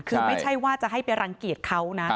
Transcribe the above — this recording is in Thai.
คือไม่ใช่ว่าจะให้ไปรังเกียจเขานะ